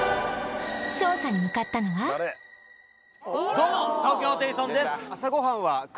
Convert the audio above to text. どうも東京ホテイソンです